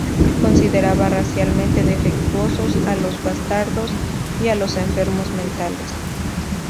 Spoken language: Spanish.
Consideraba racialmente defectuosos a los bastardos y a los enfermos mentales.